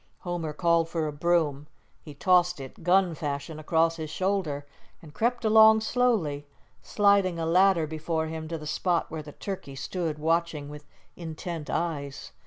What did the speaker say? Homer called for a broom. He tossed it, gun fashion, across his shoulder, and crept along slowly, sliding a ladder before him to the spot where the turkey stood watching with intent eyes.